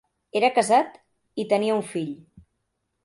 Era casat i tenia un fill.